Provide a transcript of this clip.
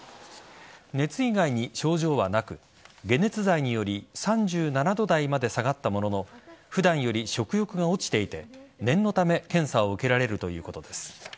熱以外に症状はなく解熱剤により３７度台まで下がったものの普段より食欲が落ちていて念のため検査を受けられるということです。